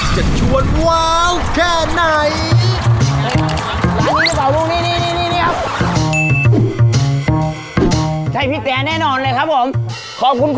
จะชวนว้าวแค่ไหน